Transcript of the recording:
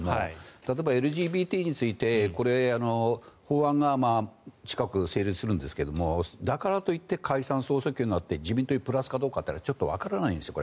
例えばＬＧＢＴについて法案が近く成立するんですがだからといって解散・総選挙になって自民党にとってプラスかはちょっとわからないんですよ。